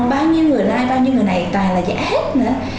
bao nhiêu người like bao nhiêu người này toàn là giả hết nữa